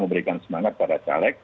memberikan semangat kepada caleg